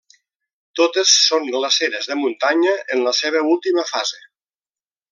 Totes són glaceres de muntanya en la seva última fase.